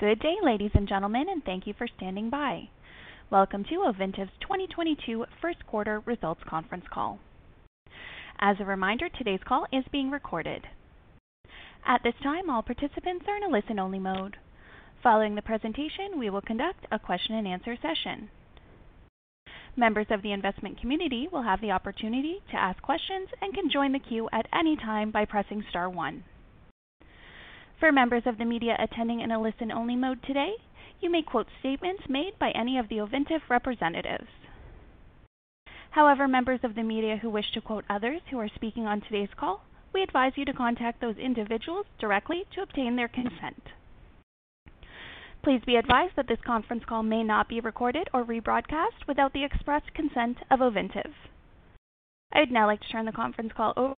Good day, ladies and gentlemen, and thank you for standing by. Welcome to Ovintiv's 2022 first quarter results conference call. As a reminder, today's call is being recorded. At this time, all participants are in a listen-only mode. Following the presentation, we will conduct a question-and-answer session. Members of the investment community will have the opportunity to ask questions and can join the queue at any time by pressing star one. For members of the media attending in a listen-only mode today, you may quote statements made by any of the Ovintiv representatives. However, members of the media who wish to quote others who are speaking on today's call, we advise you to contact those individuals directly to obtain their consent. Please be advised that this conference call may not be recorded or rebroadcast without the express consent of Ovintiv. I would now like to turn the conference call over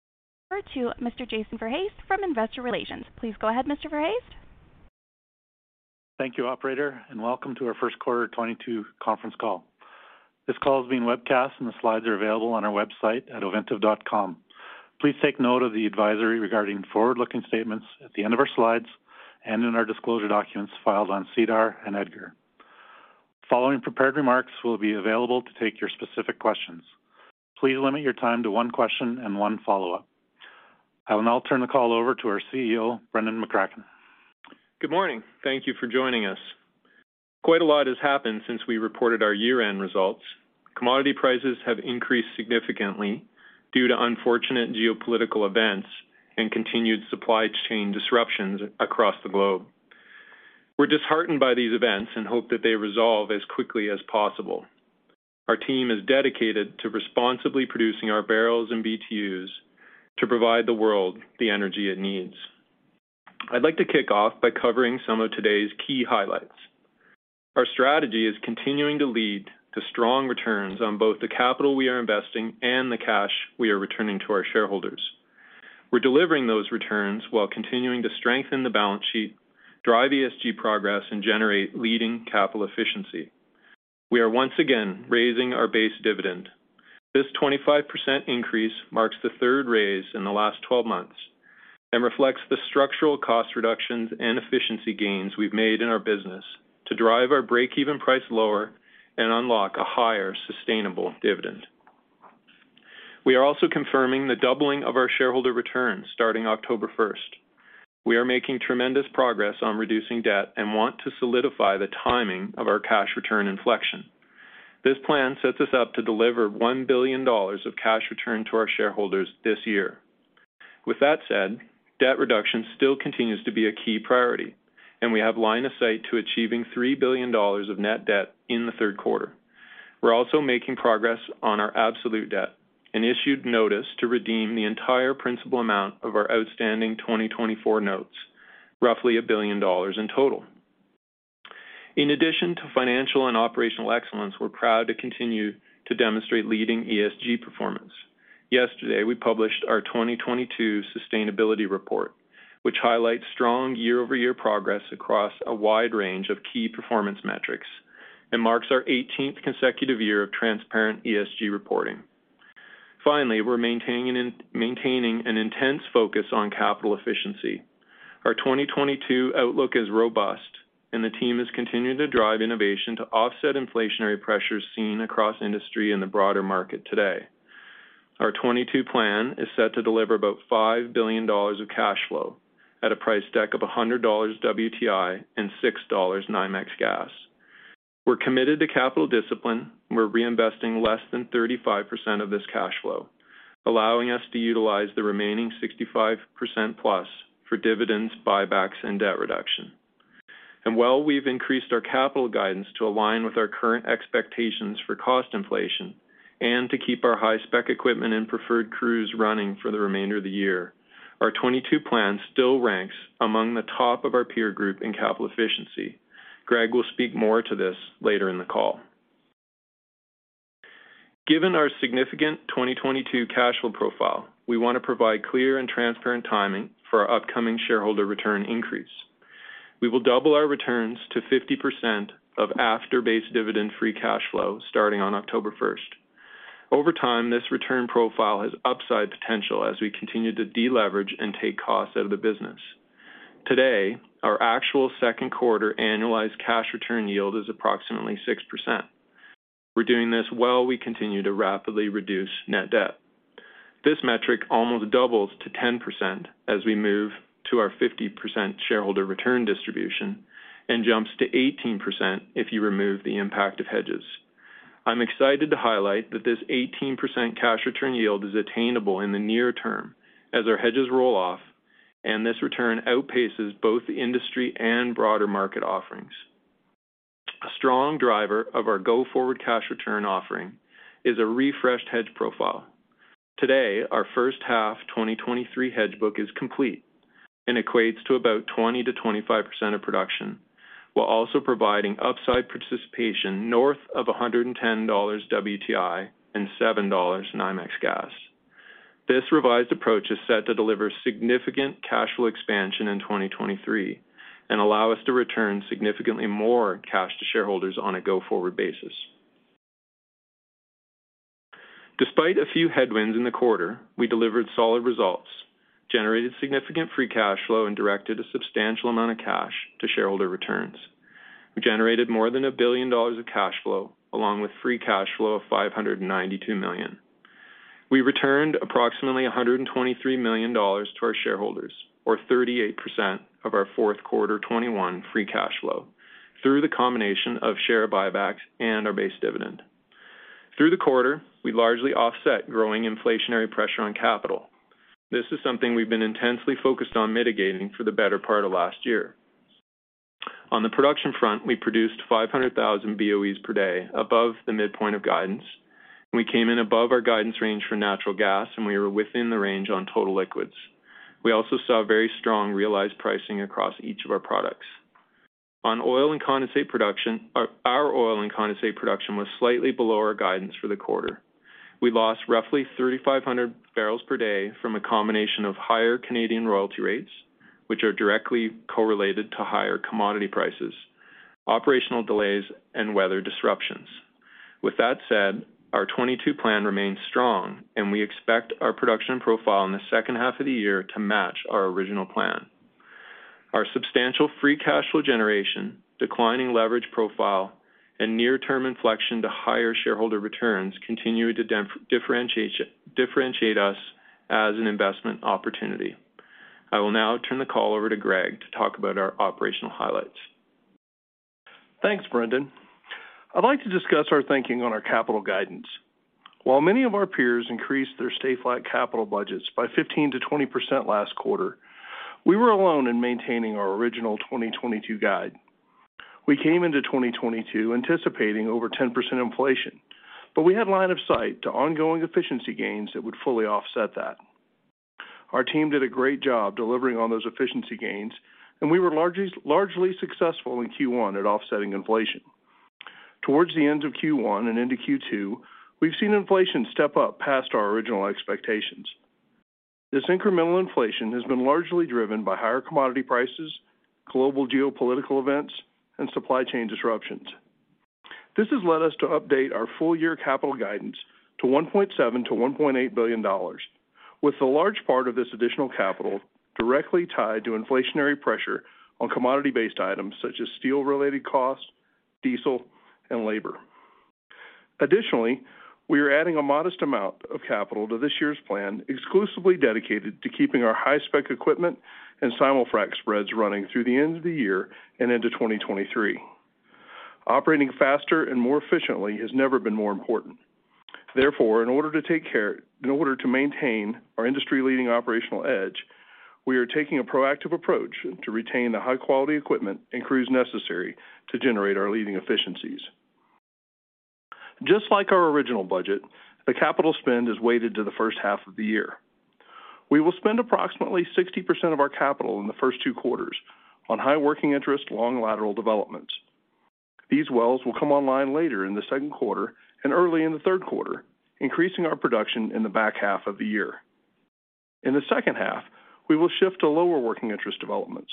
to Mr. Jason Verhaest from Investor Relations. Please go ahead, Mr. Verhaest. Thank you, operator, and welcome to our first quarter 2022 conference call. This call is being webcast, and the slides are available on our website at ovintiv.com. Please take note of the advisory regarding forward-looking statements at the end of our slides and in our disclosure documents filed on SEDAR and EDGAR. Following prepared remarks, we'll be available to take your specific questions. Please limit your time to one question and one follow-up. I will now turn the call over to our CEO, Brendan McCracken. Good morning. Thank you for joining us. Quite a lot has happened since we reported our year-end results. Commodity prices have increased significantly due to unfortunate geopolitical events and continued supply chain disruptions across the globe. We're disheartened by these events and hope that they resolve as quickly as possible. Our team is dedicated to responsibly producing our barrels and BTUs to provide the world the energy it needs. I'd like to kick off by covering some of today's key highlights. Our strategy is continuing to lead to strong returns on both the capital we are investing and the cash we are returning to our shareholders. We're delivering those returns while continuing to strengthen the balance sheet, drive ESG progress, and generate leading capital efficiency. We are once again raising our base dividend. This 25% increase marks the third raise in the last 12 months and reflects the structural cost reductions and efficiency gains we've made in our business to drive our breakeven price lower and unlock a higher sustainable dividend. We are also confirming the doubling of our shareholder returns starting October 1. We are making tremendous progress on reducing debt and want to solidify the timing of our cash return inflection. This plan sets us up to deliver $1 billion of cash return to our shareholders this year. With that said, debt reduction still continues to be a key priority, and we have line of sight to achieving $3 billion of net debt in the third quarter. We're also making progress on our absolute debt and issued notice to redeem the entire principal amount of our outstanding 2024 notes, roughly $1 billion in total. In addition to financial and operational excellence, we're proud to continue to demonstrate leading ESG performance. Yesterday, we published our 2022 sustainability report, which highlights strong year-over-year progress across a wide range of key performance metrics and marks our 18th consecutive year of transparent ESG reporting. Finally, we're maintaining an intense focus on capital efficiency. Our 2022 outlook is robust, and the team is continuing to drive innovation to offset inflationary pressures seen across industry in the broader market today. Our 2022 plan is set to deliver about $5 billion of cash flow at a price deck of $100 WTI and $6 NYMEX gas. We're committed to capital discipline. We're reinvesting less than 35% of this cash flow, allowing us to utilize the remaining 65% plus for dividends, buybacks, and debt reduction. While we've increased our capital guidance to align with our current expectations for cost inflation and to keep our high-spec equipment and preferred crews running for the remainder of the year, our 2022 plan still ranks among the top of our peer group in capital efficiency. Greg will speak more to this later in the call. Given our significant 2022 cash flow profile, we want to provide clear and transparent timing for our upcoming shareholder return increase. We will double our returns to 50% of after base dividend free cash flow starting on October first. Over time, this return profile has upside potential as we continue to deleverage and take costs out of the business. Today, our actual second quarter annualized cash return yield is approximately 6%. We're doing this while we continue to rapidly reduce net debt. This metric almost doubles to 10% as we move to our 50% shareholder return distribution and jumps to 18% if you remove the impact of hedges. I'm excited to highlight that this 18% cash return yield is attainable in the near term as our hedges roll off, and this return outpaces both the industry and broader market offerings. A strong driver of our go-forward cash return offering is a refreshed hedge profile. Today, our first half 2023 hedge book is complete and equates to about 20%-25% of production, while also providing upside participation north of $110 WTI and $7 NYMEX gas. This revised approach is set to deliver significant cash flow expansion in 2023 and allow us to return significantly more cash to shareholders on a go-forward basis. Despite a few headwinds in the quarter, we delivered solid results, generated significant free cash flow, and directed a substantial amount of cash to shareholder returns. We generated more than $1 billion of cash flow, along with free cash flow of $592 million. We returned approximately $123 million to our shareholders or 38% of our fourth quarter 2021 free cash flow through the combination of share buybacks and our base dividend. Through the quarter, we largely offset growing inflationary pressure on capital. This is something we've been intensely focused on mitigating for the better part of last year. On the production front, we produced 500,000 BOEs per day above the midpoint of guidance, and we came in above our guidance range for natural gas, and we were within the range on total liquids. We also saw very strong realized pricing across each of our products. On oil and condensate production, our oil and condensate production was slightly below our guidance for the quarter. We lost roughly 3,500 barrels per day from a combination of higher Canadian royalty rates, which are directly correlated to higher commodity prices, operational delays, and weather disruptions. With that said, our 2022 plan remains strong, and we expect our production profile in the second half of the year to match our original plan. Our substantial free cash flow generation, declining leverage profile, and near-term inflection to higher shareholder returns continue to differentiate us as an investment opportunity. I will now turn the call over to Greg to talk about our operational highlights. Thanks, Brendan. I'd like to discuss our thinking on our capital guidance. While many of our peers increased their stated flat capital budgets by 15%-20% last quarter, we were alone in maintaining our original 2022 guide. We came into 2022 anticipating over 10% inflation, but we had line of sight to ongoing efficiency gains that would fully offset that. Our team did a great job delivering on those efficiency gains, and we were largely successful in Q1 at offsetting inflation. Towards the end of Q1 and into Q2, we've seen inflation step up past our original expectations. This incremental inflation has been largely driven by higher commodity prices, global geopolitical events, and supply chain disruptions. This has led us to update our full year capital guidance to $1.7 billion-$1.8 billion, with the large part of this additional capital directly tied to inflationary pressure on commodity-based items such as steel-related costs, diesel, and labor. Additionally, we are adding a modest amount of capital to this year's plan, exclusively dedicated to keeping our high-spec equipment and simulfrac spreads running through the end of the year and into 2023. Operating faster and more efficiently has never been more important. Therefore, in order to maintain our industry-leading operational edge, we are taking a proactive approach to retain the high-quality equipment and crews necessary to generate our leading efficiencies. Just like our original budget, the capital spend is weighted to the first half of the year. We will spend approximately 60% of our capital in the first two quarters on high working interest, long lateral developments. These wells will come online later in the second quarter and early in the third quarter, increasing our production in the back half of the year. In the second half, we will shift to lower working interest developments,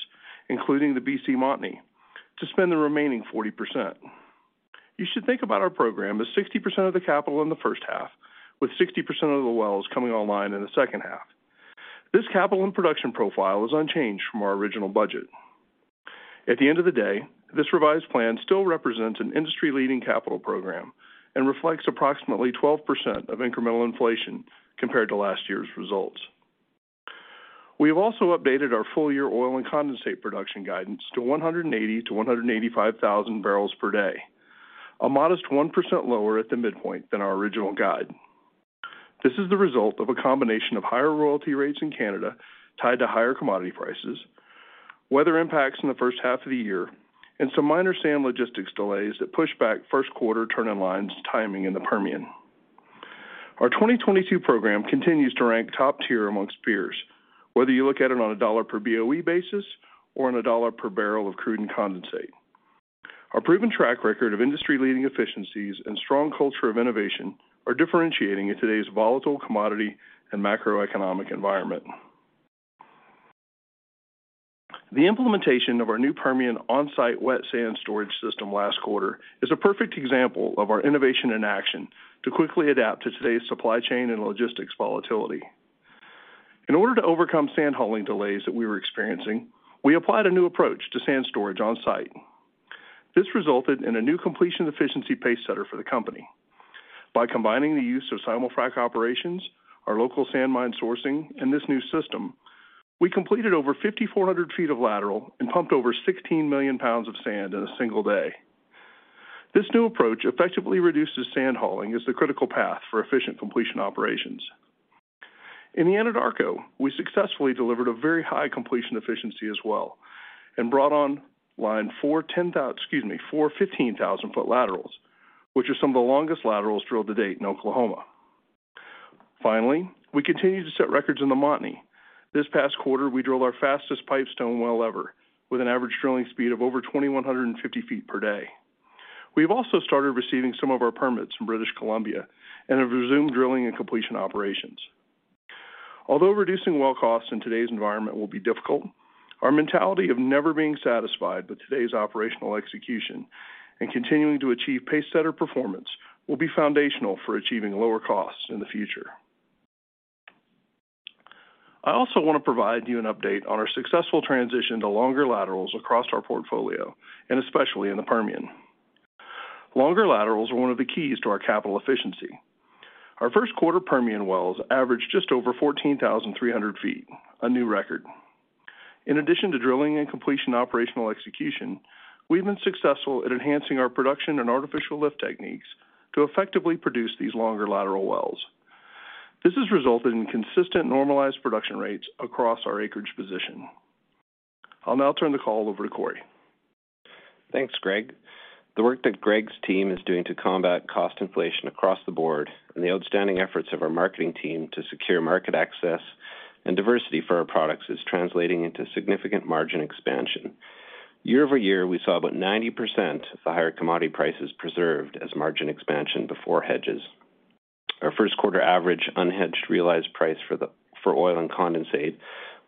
including the BC Montney, to spend the remaining 40%. You should think about our program as 60% of the capital in the first half, with 60% of the wells coming online in the second half. This capital and production profile is unchanged from our original budget. At the end of the day, this revised plan still represents an industry-leading capital program and reflects approximately 12% of incremental inflation compared to last year's results. We have also updated our full-year oil and condensate production guidance to 180-185 thousand barrels per day, a modest 1% lower at the midpoint than our original guide. This is the result of a combination of higher royalty rates in Canada tied to higher commodity prices, weather impacts in the first half of the year, and some minor sand logistics delays that pushed back first quarter TILs timing in the Permian. Our 2022 program continues to rank top tier among peers, whether you look at it on a $ per BOE basis or on a $ per barrel of crude and condensate. Our proven track record of industry-leading efficiencies and strong culture of innovation are differentiating in today's volatile commodity and macroeconomic environment. The implementation of our new Permian on-site wet sand storage system last quarter is a perfect example of our innovation in action to quickly adapt to today's supply chain and logistics volatility. In order to overcome sand hauling delays that we were experiencing, we applied a new approach to sand storage on-site. This resulted in a new completion efficiency pacesetter for the company. By combining the use of simulfrac operations, our local sand mine sourcing, and this new system, we completed over 5,400 feet of lateral and pumped over 16 million pounds of sand in a single day. This new approach effectively reduces sand hauling as the critical path for efficient completion operations. In the Anadarko, we successfully delivered a very high completion efficiency as well and brought online four 15,000-foot laterals, which are some of the longest laterals drilled to date in Oklahoma. Finally, we continue to set records in the Montney. This past quarter, we drilled our fastest Pipestone well ever, with an average drilling speed of over 2,150 feet per day. We have also started receiving some of our permits from British Columbia and have resumed drilling and completion operations. Although reducing well costs in today's environment will be difficult, our mentality of never being satisfied with today's operational execution and continuing to achieve pacesetter performance will be foundational for achieving lower costs in the future. I also wanna provide you an update on our successful transition to longer laterals across our portfolio, and especially in the Permian. Longer laterals are one of the keys to our capital efficiency. Our first quarter Permian wells averaged just over 14,300 feet, a new record. In addition to drilling and completion operational execution, we've been successful at enhancing our production and artificial lift techniques to effectively produce these longer lateral wells. This has resulted in consistent normalized production rates across our acreage position. I'll now turn the call over to Corey. Thanks, Greg. The work that Greg's team is doing to combat cost inflation across the board and the outstanding efforts of our marketing team to secure market access and diversity for our products is translating into significant margin expansion. Year-over-year, we saw about 90% of the higher commodity prices preserved as margin expansion before hedges. Our first quarter average unhedged realized price for oil and condensate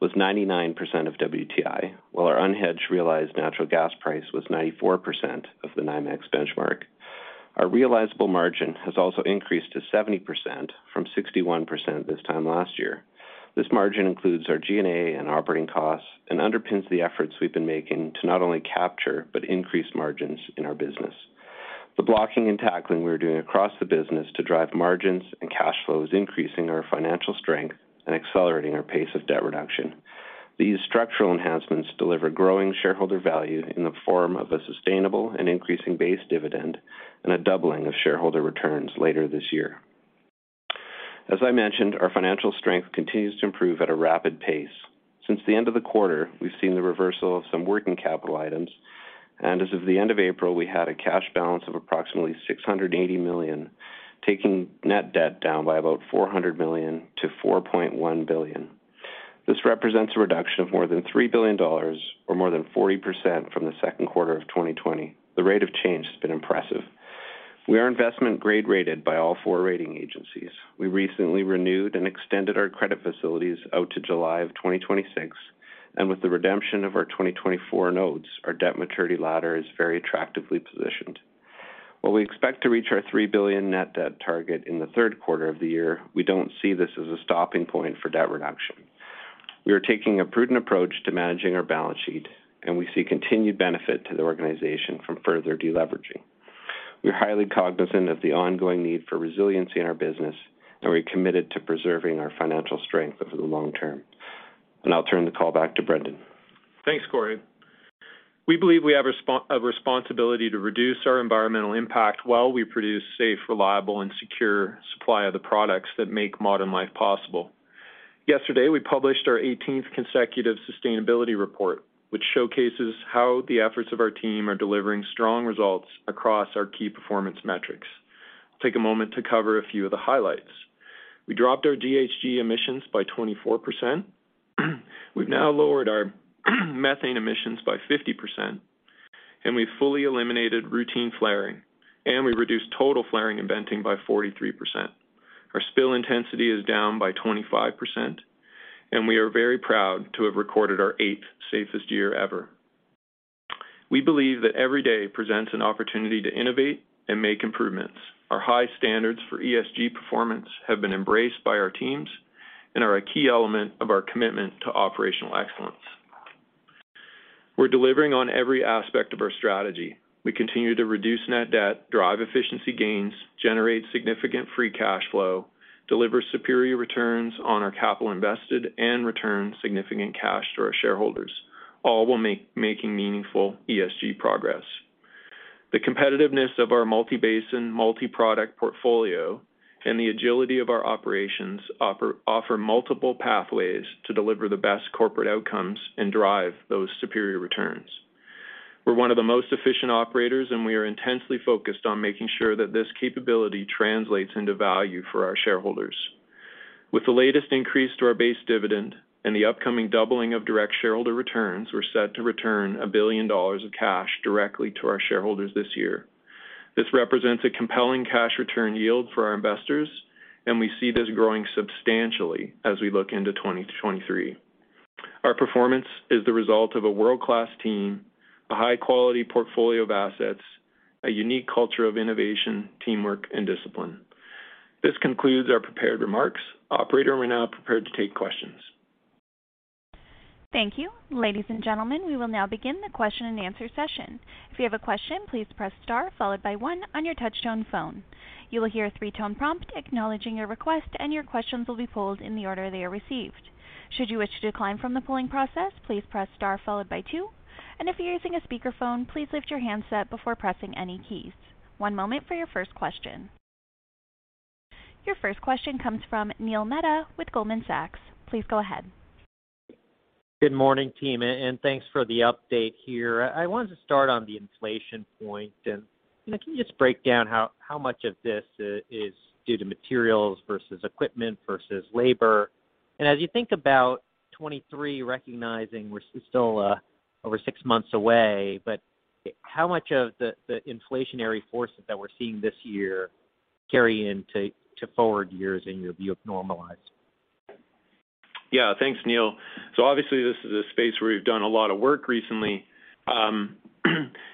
was 99% of WTI, while our unhedged realized natural gas price was 94% of the NYMEX benchmark. Our realizable margin has also increased to 70% from 61% this time last year. This margin includes our G&A and operating costs and underpins the efforts we've been making to not only capture, but increase margins in our business. The blocking and tackling we're doing across the business to drive margins and cash flows, increasing our financial strength and accelerating our pace of debt reduction. These structural enhancements deliver growing shareholder value in the form of a sustainable and increasing base dividend and a doubling of shareholder returns later this year. As I mentioned, our financial strength continues to improve at a rapid pace. Since the end of the quarter, we've seen the reversal of some working capital items. As of the end of April, we had a cash balance of approximately $680 million, taking net debt down by about $400 million to $4.1 billion. This represents a reduction of more than $3 billion or more than 40% from the second quarter of 2020. The rate of change has been impressive. We are investment grade rated by all four rating agencies. We recently renewed and extended our credit facilities out to July 2026, and with the redemption of our 2024 notes, our debt maturity ladder is very attractively positioned. While we expect to reach our $3 billion net debt target in the third quarter of the year, we don't see this as a stopping point for debt reduction. We are taking a prudent approach to managing our balance sheet, and we see continued benefit to the organization from further deleveraging. We're highly cognizant of the ongoing need for resiliency in our business, and we're committed to preserving our financial strength over the long term. I'll turn the call back to Brendan. Thanks, Corey. We believe we have a responsibility to reduce our environmental impact while we produce safe, reliable, and secure supply of the products that make modern life possible. Yesterday, we published our 18th consecutive sustainability report, which showcases how the efforts of our team are delivering strong results across our key performance metrics. Take a moment to cover a few of the highlights. We dropped our GHG emissions by 24%. We've now lowered our methane emissions by 50%, and we've fully eliminated routine flaring, and we reduced total flaring and venting by 43%. Our spill intensity is down by 25%, and we are very proud to have recorded our 8th safest year ever. We believe that every day presents an opportunity to innovate and make improvements. Our high standards for ESG performance have been embraced by our teams and are a key element of our commitment to operational excellence. We're delivering on every aspect of our strategy. We continue to reduce net debt, drive efficiency gains, generate significant free cash flow, deliver superior returns on our capital invested, and return significant cash to our shareholders, all while making meaningful ESG progress. The competitiveness of our multi-basin, multi-product portfolio and the agility of our operations offer multiple pathways to deliver the best corporate outcomes and drive those superior returns. We're one of the most efficient operators, and we are intensely focused on making sure that this capability translates into value for our shareholders. With the latest increase to our base dividend and the upcoming doubling of direct shareholder returns, we're set to return $1 billion of cash directly to our shareholders this year. This represents a compelling cash return yield for our investors, and we see this growing substantially as we look into 2023. Our performance is the result of a world-class team, a high-quality portfolio of assets, a unique culture of innovation, teamwork and discipline. This concludes our prepared remarks. Operator, we're now prepared to take questions. Thank you. Ladies and gentlemen, we will now begin the question-and-answer session. If you have a question, please press star followed by 1 on your touchtone phone. You will hear a 3-tone prompt acknowledging your request, and your questions will be pulled in the order they are received. Should you wish to decline from the pulling process, please press star followed by 2. If you're using a speakerphone, please lift your handset before pressing any keys. One moment for your first question. Your first question comes from Neil Mehta with Goldman Sachs. Please go ahead. Good morning, team, and thanks for the update here. I wanted to start on the inflation point. Can you just break down how much of this is due to materials versus equipment versus labor? As you think about 2023, recognizing we're still over 6 months away, but how much of the inflationary forces that we're seeing this year carry into forward years in your view of normalizing? Yeah. Thanks, Neil. Obviously, this is a space where we've done a lot of work recently.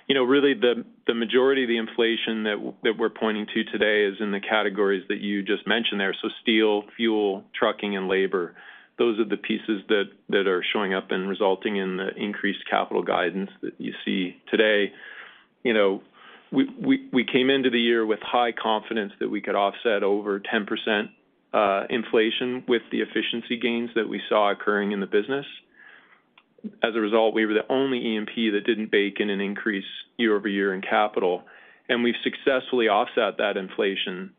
You know, really the majority of the inflation that we're pointing to today is in the categories that you just mentioned there, so steel, fuel, trucking, and labor. Those are the pieces that are showing up and resulting in the increased capital guidance that you see today. You know, we came into the year with high confidence that we could offset over 10% inflation with the efficiency gains that we saw occurring in the business. As a result, we were the only E&P that didn't bake in an increase year-over-year in capital, and we've successfully offset that inflation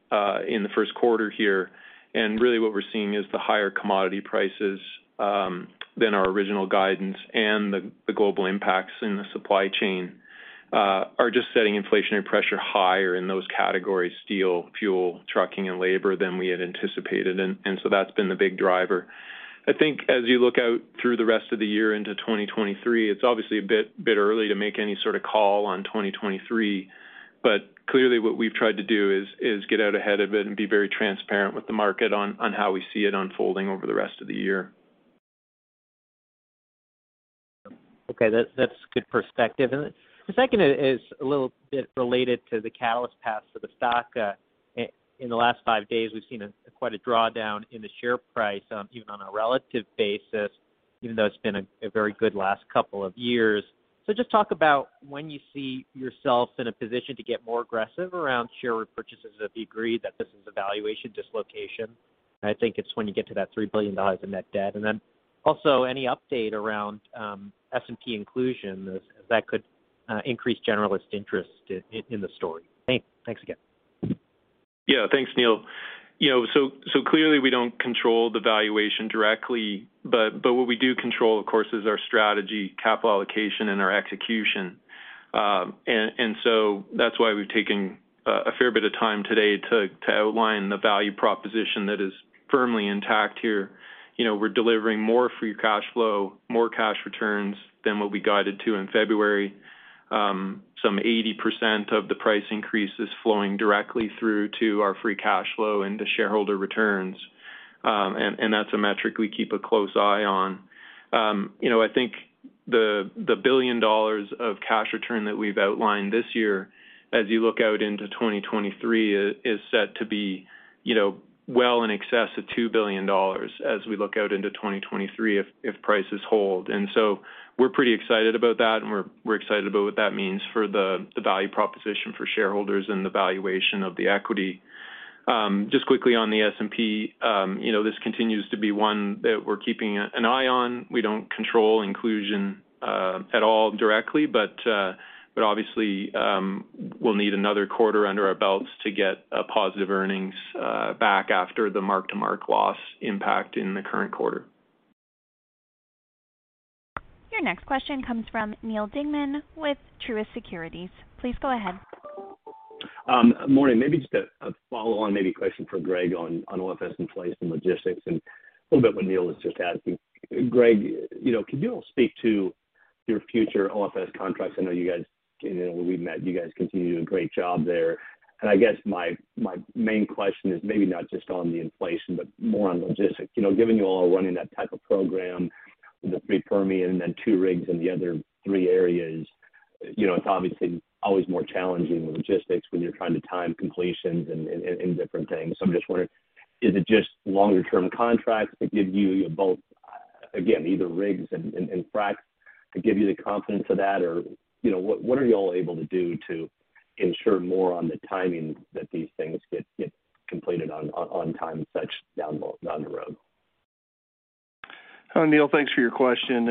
in the first quarter here. Really what we're seeing is the higher commodity prices than our original guidance and the global impacts in the supply chain are just setting inflationary pressure higher in those categories, steel, fuel, trucking, and labor than we had anticipated. That's been the big driver. I think as you look out through the rest of the year into 2023, it's obviously a bit early to make any sort of call on 2023. Clearly what we've tried to do is get out ahead of it and be very transparent with the market on how we see it unfolding over the rest of the year. Okay. That's good perspective. The second is a little bit related to the catalyst path for the stock. In the last 5 days, we've seen quite a drawdown in the share price, even on a relative basis, even though it's been a very good last couple of years. Just talk about when you see yourself in a position to get more aggressive around share repurchases, if you agree that this is a valuation dislocation. I think it's when you get to that $3 billion in net debt. Then also any update around S&P inclusion as that could increase generalist interest in the story. Thanks. Thanks again. Yeah. Thanks, Neil. You know, clearly we don't control the valuation directly, but what we do control, of course, is our strategy, capital allocation, and our execution. That's why we've taken a fair bit of time today to outline the value proposition that is firmly intact here. You know, we're delivering more free cash flow, more cash returns than what we guided to in February. Some 80% of the price increase is flowing directly through to our free cash flow into shareholder returns. That's a metric we keep a close eye on. You know, I think the $1 billion of cash return that we've outlined this year, as you look out into 2023, is set to be, you know, well in excess of $2 billion as we look out into 2023 if prices hold. We're pretty excited about that, and we're excited about what that means for the value proposition for shareholders and the valuation of the equity. Just quickly on the S&P 500, you know, this continues to be one that we're keeping an eye on. We don't control inclusion at all directly. Obviously, we'll need another quarter under our belts to get positive earnings back after the mark-to-market loss impact in the current quarter. Your next question comes from Neal Dingmann with Truist Securities. Please go ahead. Morning. Maybe just a follow-on, maybe a question for Greg on OFS in place and logistics and a little bit what Neil was just asking. Greg, you know, could you all speak to your future OFS contracts? I know you guys, you know, when we met, you guys continue to do a great job there. I guess my main question is maybe not just on the inflation, but more on logistics. You know, given you all are running that type of program with the three Permian and two rigs in the other three areas, you know, it's obviously always more challenging with logistics when you're trying to time completions and different things. I'm just wondering, is it just longer term contracts that give you both, again, either rigs and fracs to give you the confidence of that? You know, what are y'all able to do to ensure more on the timing that these things get completed on time and such down the road? Neil, thanks for your question.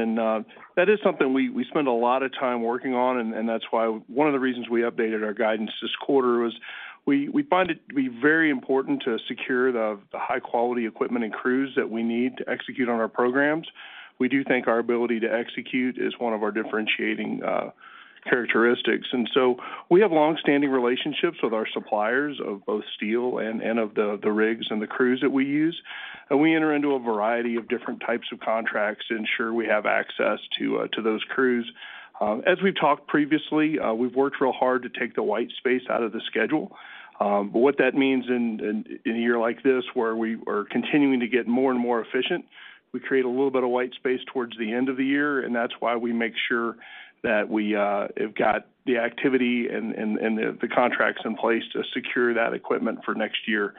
That is something we spend a lot of time working on, and that's why one of the reasons we updated our guidance this quarter was we find it to be very important to secure the high-quality equipment and crews that we need to execute on our programs. We do think our ability to execute is one of our differentiating characteristics. We have longstanding relationships with our suppliers of both steel and of the rigs and the crews that we use. We enter into a variety of different types of contracts to ensure we have access to those crews. As we've talked previously, we've worked real hard to take the white space out of the schedule. What that means in a year like this where we are continuing to get more and more efficient, we create a little bit of white space towards the end of the year, and that's why we make sure that we have got the activity and the contracts in place to secure that equipment for next year.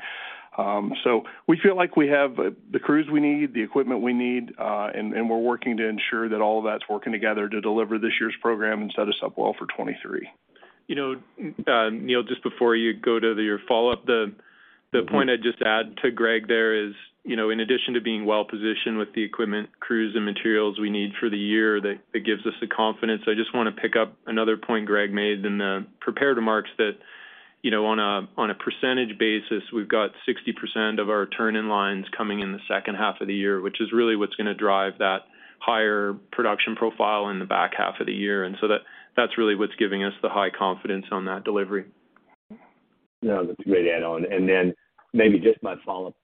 So we feel like we have the crews we need, the equipment we need, and we're working to ensure that all that's working together to deliver this year's program and set us up well for 2023. You know, Neil, just before you go to your follow-up, the point I'd just add to Greg there is, you know, in addition to being well-positioned with the equipment, crews, and materials we need for the year, that gives us the confidence. I just wanna pick up another point Greg made in the prepared remarks that, you know, on a percentage basis, we've got 60% of our turn-in lines coming in the second half of the year, which is really what's gonna drive that higher production profile in the back half of the year. That's really what's giving us the high confidence on that delivery. No, that's a great add-on. Maybe just my follow-up,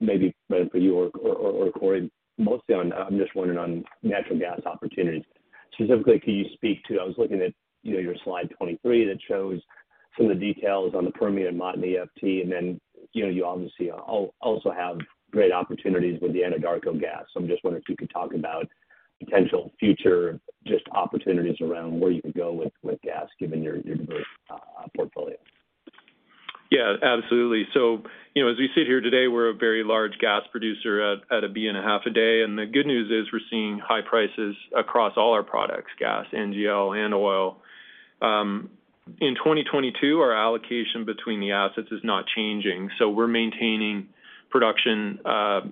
maybe for you or Corey, mostly on. I'm just wondering on natural gas opportunities. Specifically, can you speak to. I was looking at, you know, your slide 23 that shows some of the details on the Permian Montney FT, and then, you know, you obviously also have great opportunities with the Anadarko gas. I'm just wondering if you could talk about potential future just opportunities around where you can go with gas given your diverse portfolio. Yeah, absolutely. So, you know, as we sit here today, we're a very large gas producer at 1.5 B a day. The good news is we're seeing high prices across all our products, gas, NGL and oil. In 2022, our allocation between the assets is not changing, so we're maintaining production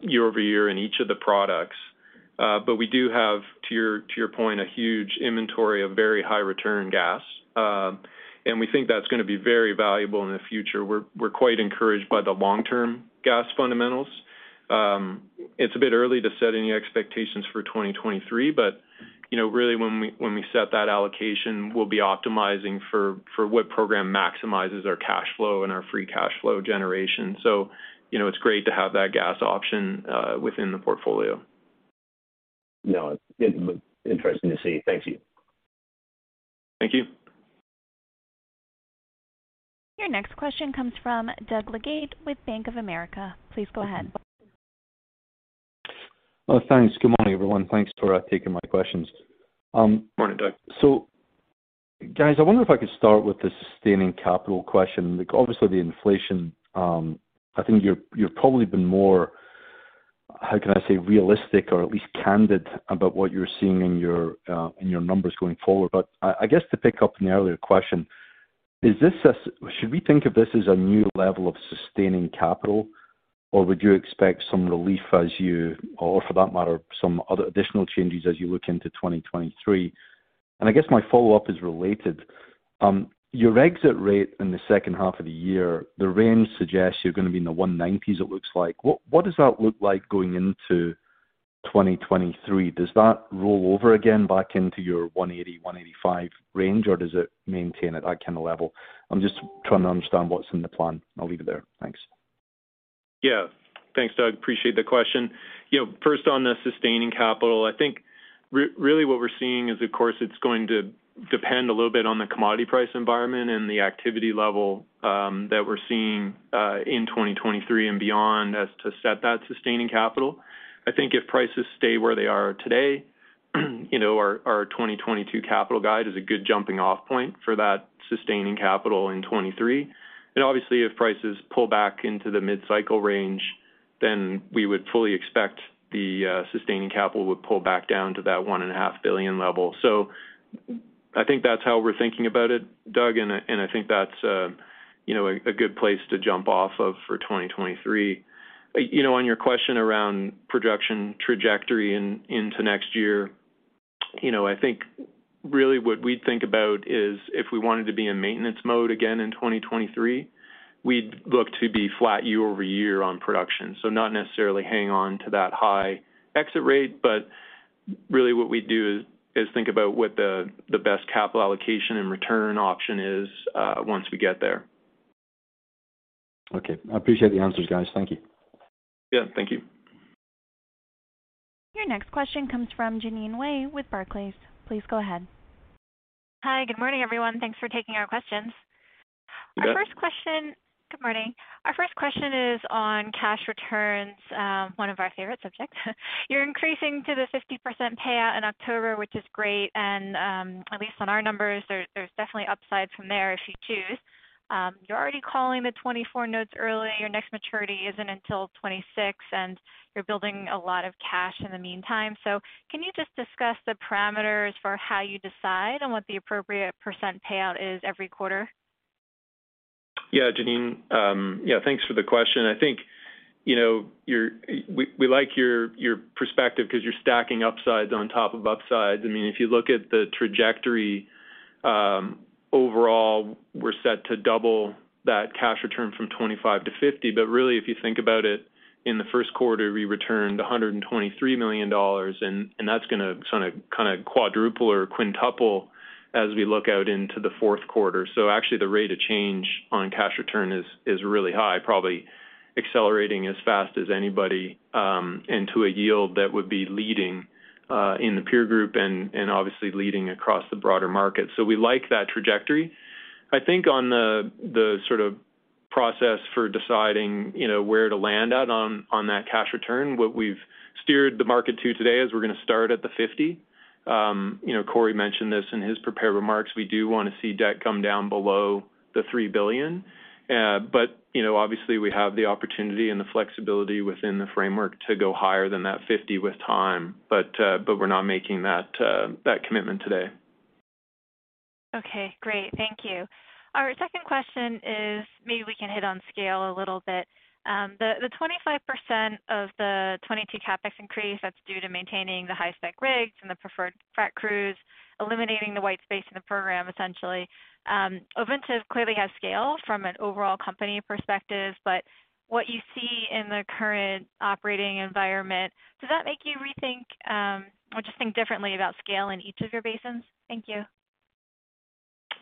year-over-year in each of the products. We do have to your point, a huge inventory of very high return gas, and we think that's gonna be very valuable in the future. We're quite encouraged by the long-term gas fundamentals. It's a bit early to set any expectations for 2023, you know, really when we set that allocation, we'll be optimizing for what program maximizes our cash flow and our free cash flow generation. You know, it's great to have that gas option within the portfolio. No, interesting to see. Thank you. Thank you. Your next question comes from Doug Leggate with Bank of America. Please go ahead. Well, thanks. Good morning, everyone. Thanks for taking my questions. Morning, Doug. Guys, I wonder if I could start with the sustaining capital question. Like, obviously, the inflation, I think you're probably been more, how can I say, realistic or at least candid about what you're seeing in your, in your numbers going forward. But I guess, to pick up on the earlier question, should we think of this as a new level of sustaining capital, or would you expect some relief as you or for that matter, some other additional changes as you look into 2023? And I guess my follow-up is related. Your exit rate in the second half of the year, the range suggests you're gonna be in the 190s it looks like. What does that look like going into 2023? Does that roll over again back into your 180-185 range, or does it maintain at that kinda level? I'm just trying to understand what's in the plan. I'll leave it there. Thanks. Yeah. Thanks, Doug. Appreciate the question. You know, first on the sustaining capital, I think really what we're seeing is, of course, it's going to depend a little bit on the commodity price environment and the activity level that we're seeing in 2023 and beyond as to set that sustaining capital. I think if prices stay where they are today, you know, our 2022 capital guide is a good jumping off point for that sustaining capital in 2023. Obviously, if prices pull back into the mid-cycle range, then we would fully expect the sustaining capital would pull back down to that $1.5 billion level. I think that's how we're thinking about it, Doug, and I think that's you know, a good place to jump off of for 2023. You know, on your question around production trajectory in next year, you know, I think really what we'd think about is if we wanted to be in maintenance mode again in 2023, we'd look to be flat year-over-year on production. Not necessarily hang on to that high exit rate, but really what we do is think about what the best capital allocation and return option is, once we get there. Okay. I appreciate the answers, guys. Thank you. Yeah, thank you. Your next question comes from Jeanine Wai with Barclays. Please go ahead. Hi. Good morning, everyone. Thanks for taking our questions. Good. Our first question. Good morning. Our first question is on cash returns, one of our favorite subjects. You're increasing to the 50% payout in October, which is great, and, at least on our numbers, there's definitely upside from there if you choose. You're already calling the 2024 notes early. Your next maturity isn't until 2026, and you're building a lot of cash in the meantime. Can you just discuss the parameters for how you decide on what the appropriate % payout is every quarter? Yeah, Jeanine. Yeah, thanks for the question. I think, you know, we like your perspective 'cause you're stacking upsides on top of upsides. I mean, if you look at the trajectory, overall, we're set to double that cash return from $25 to $50. Really, if you think about it, in the first quarter, we returned $123 million, and that's gonna sort of kinda quadruple or quintuple as we look out into the fourth quarter. Actually, the rate of change on cash return is really high, probably accelerating as fast as anybody into a yield that would be leading in the peer group and obviously leading across the broader market. We like that trajectory. I think on the sort of process for deciding, you know, where to land at on that cash return, what we've steered the market to today is we're gonna start at the 50%. You know, Corey mentioned this in his prepared remarks. We do wanna see debt come down below the $3 billion. You know, obviously we have the opportunity and the flexibility within the framework to go higher than that 50% with time, but we're not making that commitment today. Okay, great. Thank you. Our second question is, maybe we can hit on scale a little bit. The 25% of the 2022 CapEx increase that's due to maintaining the high-spec rigs and the preferred frac crews, eliminating the white space in the program, essentially, Ovintiv clearly has scale from an overall company perspective, but what you see in the current operating environment, does that make you rethink, or just think differently about scale in each of your basins? Thank you.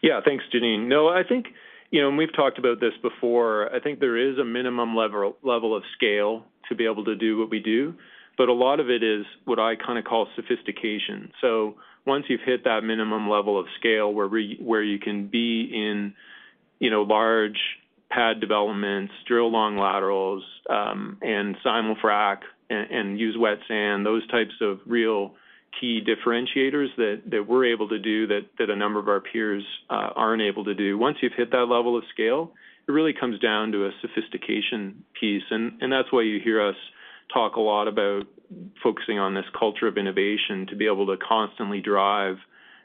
Yeah. Thanks, Jeanine. No, I think, you know, and we've talked about this before, I think there is a minimum level of scale to be able to do what we do, but a lot of it is what I kinda call sophistication. Once you've hit that minimum level of scale, where you can be in, you know, large pad developments, drill long laterals, and simulfrac, and use wet sand, those types of real key differentiators that we're able to do that a number of our peers aren't able to do. Once you've hit that level of scale, it really comes down to a sophistication piece. That's why you hear us talk a lot about focusing on this culture of innovation to be able to constantly drive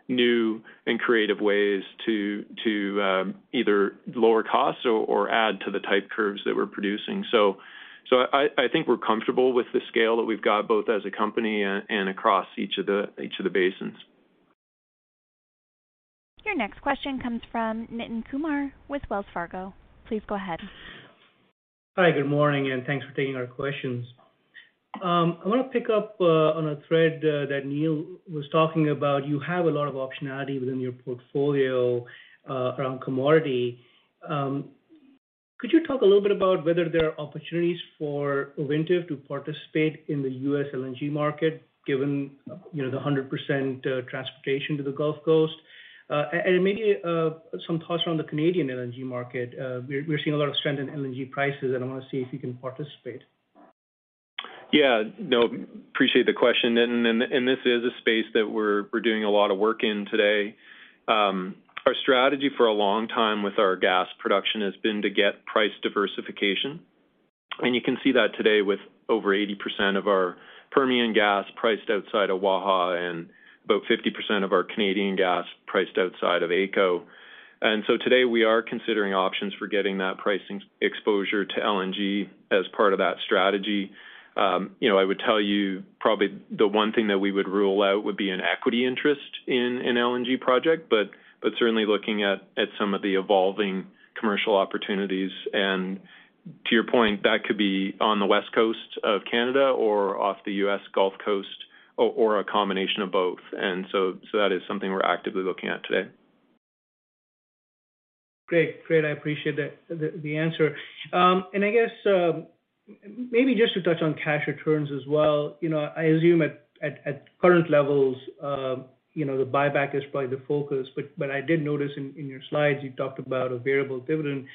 new and creative ways to either lower costs or add to the type curves that we're producing. I think we're comfortable with the scale that we've got both as a company and across each of the basins. Your next question comes from Nitin Kumar with Wells Fargo. Please go ahead. Hi, good morning, and thanks for taking our questions. I wanna pick up on a thread that Neil was talking about. You have a lot of optionality within your portfolio around commodity. Could you talk a little bit about whether there are opportunities for Ovintiv to participate in the U.S. LNG market, given, you know, the 100% transportation to the Gulf Coast? And maybe some thoughts around the Canadian LNG market. We're seeing a lot of strength in LNG prices, and I wanna see if you can participate. Yeah. No, appreciate the question, Nitin. This is a space that we're doing a lot of work in today. Our strategy for a long time with our gas production has been to get price diversification. You can see that today with over 80% of our Permian gas priced outside of Waha and about 50% of our Canadian gas priced outside of AECO. Today, we are considering options for getting that pricing exposure to LNG as part of that strategy. You know, I would tell you probably the one thing that we would rule out would be an equity interest in an LNG project, but certainly looking at some of the evolving commercial opportunities. To your point, that could be on the West Coast of Canada or off the US Gulf Coast or a combination of both. That is something we're actively looking at today. Great. I appreciate that, the answer. I guess maybe just to touch on cash returns as well. You know, I assume at current levels, you know, the buyback is probably the focus, but I did notice in your slides you talked about a variable dividend.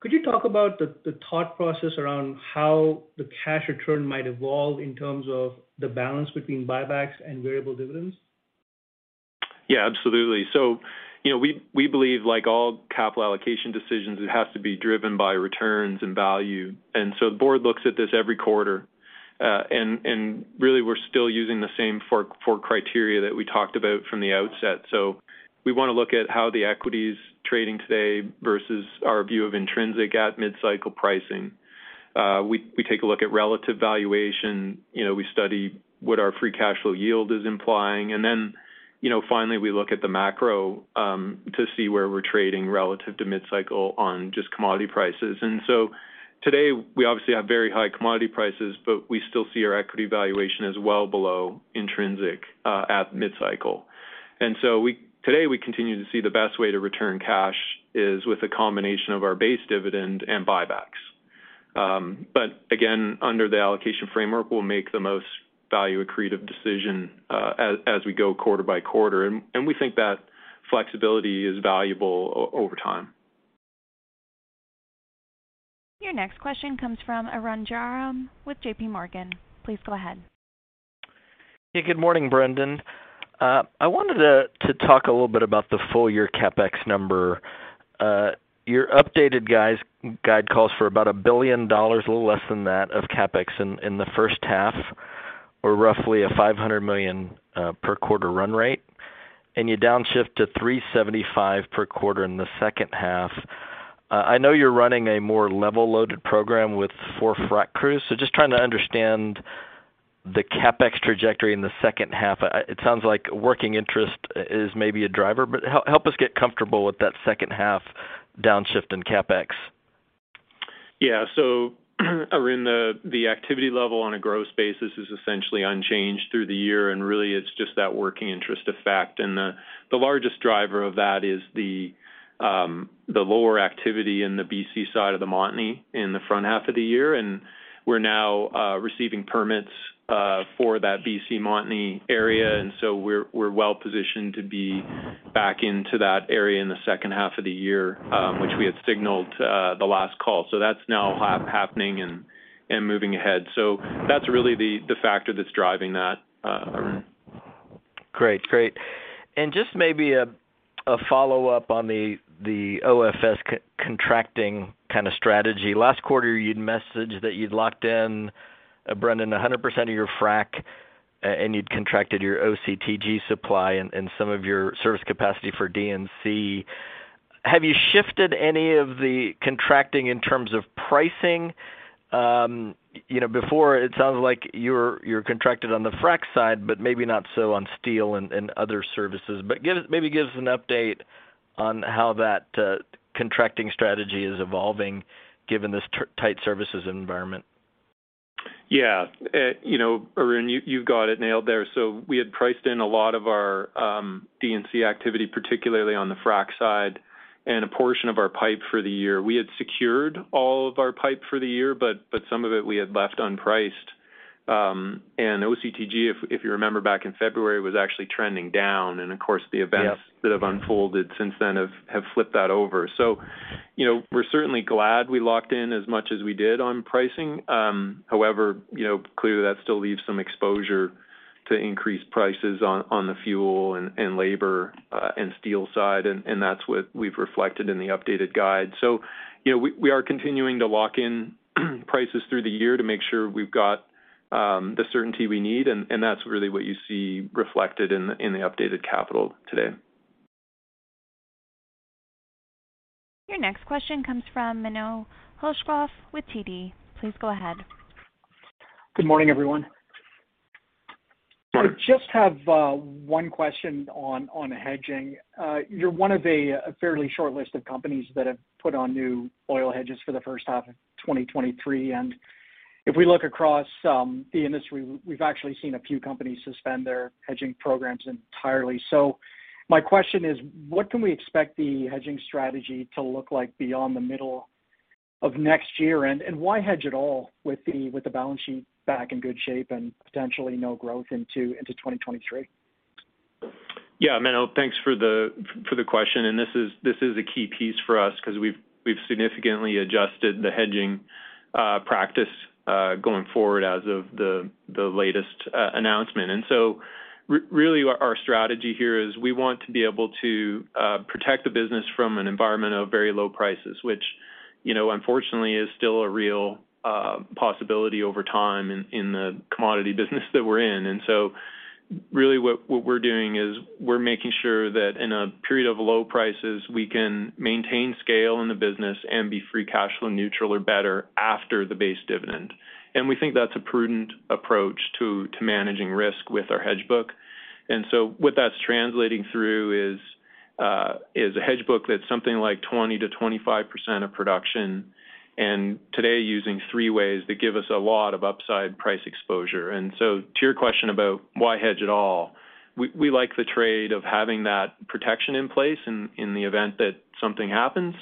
Could you talk about the thought process around how the cash return might evolve in terms of the balance between buybacks and variable dividends? Yeah, absolutely. You know, we believe, like all capital allocation decisions, it has to be driven by returns and value. The board looks at this every quarter. Really, we're still using the same four criteria that we talked about from the outset. We wanna look at how the equity's trading today versus our view of intrinsic at mid-cycle pricing. We take a look at relative valuation, you know, we study what our free cash flow yield is implying. You know, finally, we look at the macro to see where we're trading relative to mid-cycle on just commodity prices. Today, we obviously have very high commodity prices, but we still see our equity valuation as well below intrinsic at mid-cycle. Today, we continue to see the best way to return cash is with a combination of our base dividend and buybacks. Again, under the allocation framework, we'll make the most value accretive decision, as we go quarter by quarter. We think that flexibility is valuable over time. Your next question comes from Arun Jayaram with J.P. Morgan. Please go ahead. Hey, good morning, Brendan. I wanted to talk a little bit about the full year CapEx number. Your updated guide calls for about $1 billion, a little less than that, of CapEx in the first half or roughly $500 million per quarter run rate, and you downshift to $375 million per quarter in the second half. I know you're running a more level loaded program with four frac crews, so just trying to understand the CapEx trajectory in the second half. It sounds like working interest is maybe a driver, but help us get comfortable with that second half downshift in CapEx. Yeah. Arun, the activity level on a gross basis is essentially unchanged through the year, and really, it's just that working interest effect. The largest driver of that is the lower activity in the BC side of the Montney in the front half of the year. We're now receiving permits for that BC Montney area, and so we're well positioned to be back into that area in the second half of the year, which we had signaled the last call. That's now happening and moving ahead. That's really the factor that's driving that, Arun. Great. Just maybe a follow-up on the OFS contracting kind of strategy. Last quarter, you'd messaged that you'd locked in, Brendan, 100% of your frac, and you'd contracted your OCTG supply and some of your service capacity for D&C. Have you shifted any of the contracting in terms of pricing? You know, before, it sounds like you're contracted on the frac side, but maybe not so on steel and other services. Give us maybe an update on how that contracting strategy is evolving given this tight services environment. Yeah. You know, Arun, you got it nailed there. We had priced in a lot of our D&C activity, particularly on the frac side, and a portion of our pipe for the year. We had secured all of our pipe for the year, but some of it we had left unpriced. OCTG, if you remember back in February, was actually trending down. Of course, the events. Yeah. That have unfolded since then have flipped that over. We're certainly glad we locked in as much as we did on pricing. However, you know, clearly that still leaves some exposure to increased prices on the fuel and labor and steel side, and that's what we've reflected in the updated guide. You know, we are continuing to lock in prices through the year to make sure we've got the certainty we need, and that's really what you see reflected in the updated capital today. Your next question comes from Manav Gupta with TD Securities. Please go ahead. Good morning, everyone. I just have one question on hedging. You're one of a fairly short list of companies that have put on new oil hedges for the first half of 2023. If we look across the industry, we've actually seen a few companies suspend their hedging programs entirely. My question is, what can we expect the hedging strategy to look like beyond the middle of next year? Why hedge at all with the balance sheet back in good shape and potentially no growth into 2023? Yeah, Manav, thanks for the question. This is a key piece for us 'cause we've significantly adjusted the hedging practice going forward as of the latest announcement. Really our strategy here is we want to be able to protect the business from an environment of very low prices, which, you know, unfortunately is still a real possibility over time in the commodity business that we're in. Really what we're doing is we're making sure that in a period of low prices, we can maintain scale in the business and be free cash flow neutral or better after the base dividend. We think that's a prudent approach to managing risk with our hedge book. What that's translating through is a hedge book that's something like 20%-25% of production, and today using three-ways that give us a lot of upside price exposure. To your question about why hedge at all, we like the trade of having that protection in place in the event that something happens,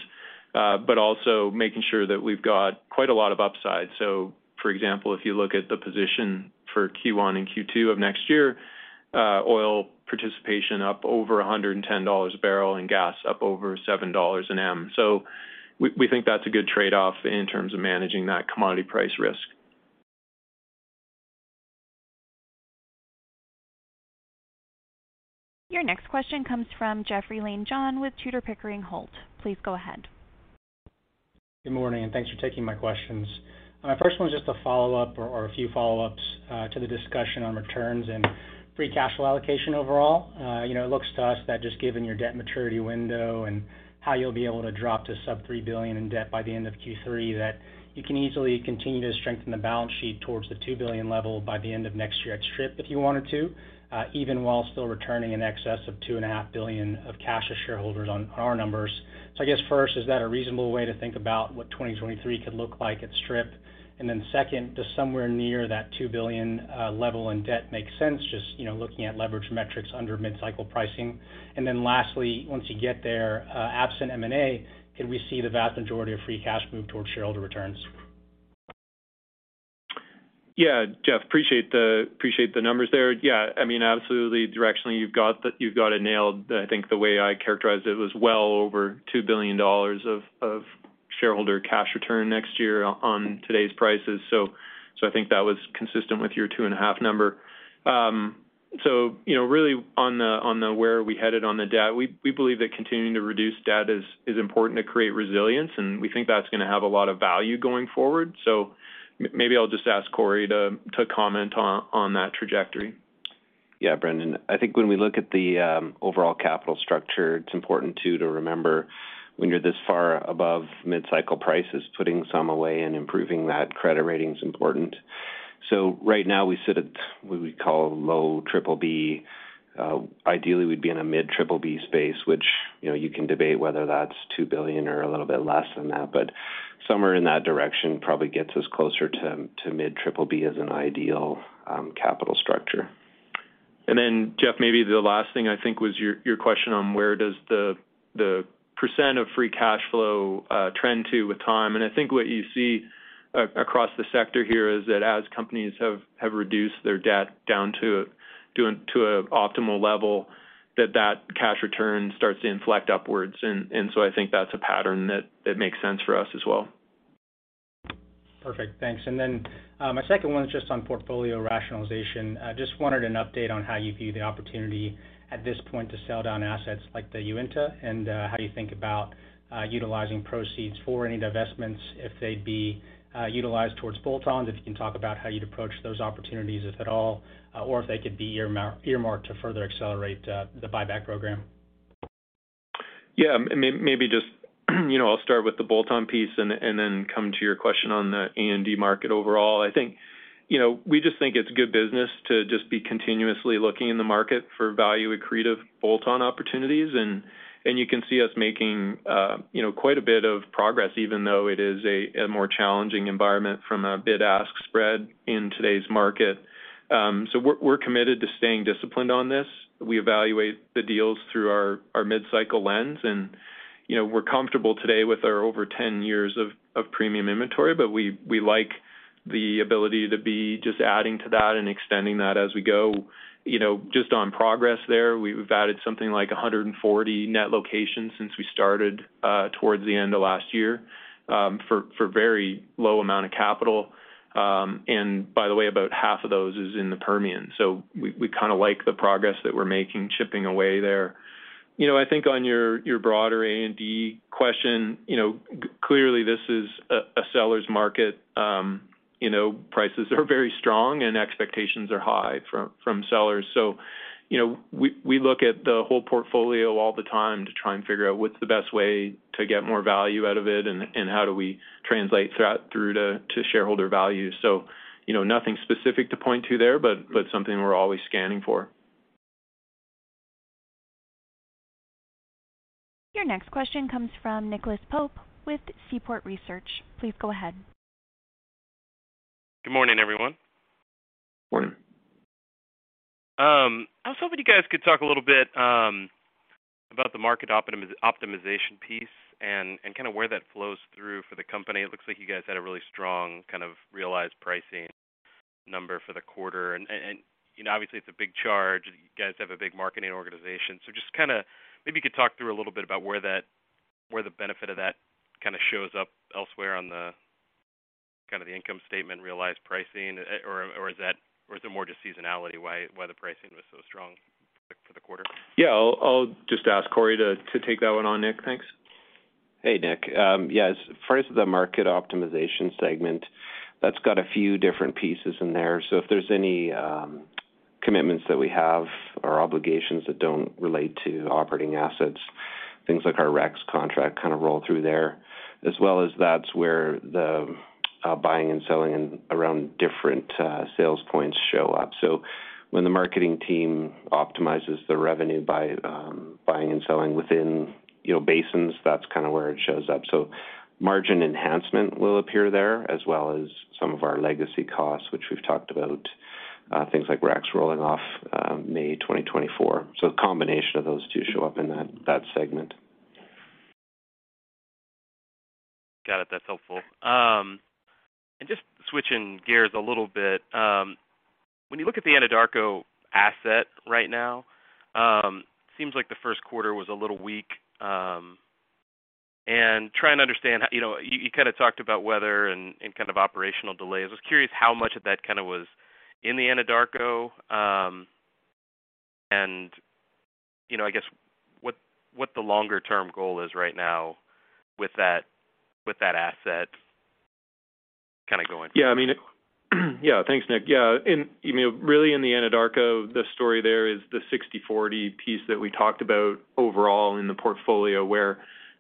but also making sure that we've got quite a lot of upside. For example, if you look at the position for Q1 and Q2 of next year, oil participation up over $110 a barrel and gas up over $7 a M. We think that's a good trade-off in terms of managing that commodity price risk. Your next question comes from Jeoffery Lambujon with Tudor Pickering Holt. Please go ahead. Good morning, and thanks for taking my questions. My first one is just a follow-up or a few follow-ups to the discussion on returns and free cash flow allocation overall. You know, it looks to us that just given your debt maturity window and how you'll be able to drop to sub-$3 billion in debt by the end of Q3, that you can easily continue to strengthen the balance sheet towards the $2 billion level by the end of next year at strip if you wanted to, even while still returning in excess of $2.5 billion of cash to shareholders on our numbers. I guess first, is that a reasonable way to think about what 2023 could look like at strip? Second, does somewhere near that $2 billion level in debt make sense, just you know, looking at leverage metrics under mid-cycle pricing? Lastly, once you get there, absent M&A, can we see the vast majority of free cash move towards shareholder returns? Yeah. Jeff, appreciate the numbers there. Yeah, I mean, absolutely directionally, you've got it nailed. I think the way I characterized it was well over $2 billion of shareholder cash return next year on today's prices. I think that was consistent with your 2.5 number. You know, really on the where are we headed on the debt, we believe that continuing to reduce debt is important to create resilience, and we think that's gonna have a lot of value going forward. Maybe I'll just ask Corey to comment on that trajectory. Yeah, Brendan. I think when we look at the overall capital structure, it's important too to remember when you're this far above mid-cycle prices, putting some away and improving that credit rating is important. Right now we sit at what we call low triple-B. Ideally, we'd be in a mid triple-B space, which, you know, you can debate whether that's $2 billion or a little bit less than that. Somewhere in that direction probably gets us closer to mid triple-B as an ideal capital structure. Jeff, maybe the last thing I think was your question on where does the percent of free cash flow trend to with time. I think what you see across the sector here is that as companies have reduced their debt down to an optimal level, that cash return starts to inflect upwards. So I think that's a pattern that makes sense for us as well. Perfect. Thanks. My second one is just on portfolio rationalization. I just wanted an update on how you view the opportunity at this point to sell down assets like the Uinta, and how do you think about utilizing proceeds for any divestments if they'd be utilized towards bolt-ons. If you can talk about how you'd approach those opportunities, if at all, or if they could be earmarked to further accelerate the buyback program? Yeah, maybe just, you know, I'll start with the bolt-on piece and then come to your question on the A&D market overall. I think, you know, we just think it's good business to just be continuously looking in the market for value-accretive bolt-on opportunities. You can see us making, you know, quite a bit of progress, even though it is a more challenging environment from a bid-ask spread in today's market. We're committed to staying disciplined on this. We evaluate the deals through our mid-cycle lens. You know, we're comfortable today with our over 10 years of premium inventory, but we like the ability to be just adding to that and extending that as we go. You know, just on progress there, we've added something like 140 net locations since we started towards the end of last year for very low amount of capital. By the way, about half of those is in the Permian. We kinda like the progress that we're making chipping away there. You know, I think on your broader A&D question, you know, clearly this is a seller's market. Prices are very strong and expectations are high from sellers. We look at the whole portfolio all the time to try and figure out what's the best way to get more value out of it and how do we translate that through to shareholder value. Nothing specific to point to there, but something we're always scanning for. Your next question comes from Nicholas Pope with Seaport Research Partners. Please go ahead. Good morning, everyone. Morning. I was hoping you guys could talk a little bit about the market optimization piece and kinda where that flows through for the company. It looks like you guys had a really strong kind of realized pricing number for the quarter. You know, obviously it's a big charge. You guys have a big marketing organization. So just kinda maybe you could talk through a little bit about where the benefit of that kinda shows up elsewhere on the kinda the income statement realized pricing, or is it more just seasonality why the pricing was so strong for the quarter? Yeah, I'll just ask Corey to take that one on, Nick. Thanks. Hey, Nick. Yes, first, the market optimization segment, that's got a few different pieces in there. If there's any commitments that we have or obligations that don't relate to operating assets, things like our REX contract kinda roll through there, as well as that's where the buying and selling around different sales points show up. When the marketing team optimizes the revenue by buying and selling within, you know, basins, that's kinda where it shows up. Margin enhancement will appear there, as well as some of our legacy costs, which we've talked about, things like REX rolling off May 2024. The combination of those two show up in that segment. Got it. That's helpful. Just switching gears a little bit, when you look at the Anadarko asset right now, seems like the first quarter was a little weak, and trying to understand, you know, you kinda talked about weather and kind of operational delays. I was curious how much of that kinda was in the Anadarko, and you know, I guess what the longer term goal is right now with that asset kinda going forward. Yeah, I mean, yeah. Thanks, Nick. Yeah, and, I mean, really in the Anadarko, the story there is the 60/40 piece that we talked about overall in the portfolio, where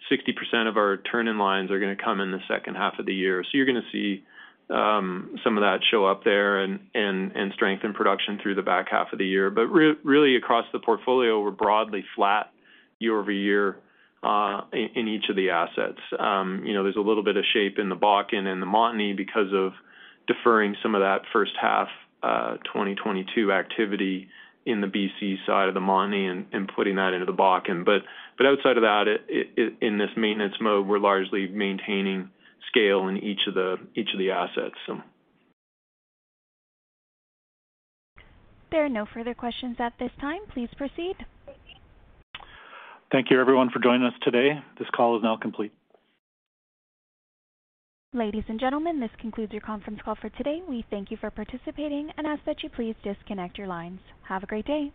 60% of our TILs are gonna come in the second half of the year. You're gonna see some of that show up there and strength in production through the back half of the year. Really across the portfolio, we're broadly flat year-over-year in each of the assets. You know, there's a little bit of shape in the Bakken and the Montney because of deferring some of that first half 2022 activity in the BC side of the Montney and putting that into the Bakken. Outside of that, in this maintenance mode, we're largely maintaining scale in each of the assets, so. There are no further questions at this time. Please proceed. Thank you everyone for joining us today. This call is now complete. Ladies and gentlemen, this concludes your conference call for today. We thank you for participating and ask that you please disconnect your lines. Have a great day.